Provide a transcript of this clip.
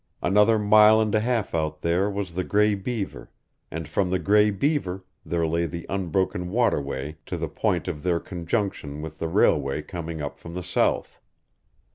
Another mile and a half out there was the Gray Beaver, and from the Gray Beaver there lay the unbroken waterway to the point of their conjunction with the railway coming up from the south.